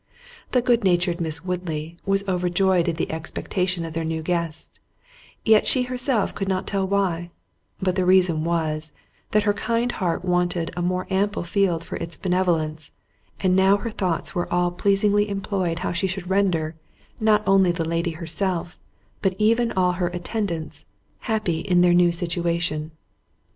The good natured Miss Woodley was overjoyed at the expectation of their new guest, yet she herself could not tell why—but the reason was, that her kind heart wanted a more ample field for its benevolence; and now her thoughts were all pleasingly employed how she should render, not only the lady herself, but even all her attendants, happy in their new situation.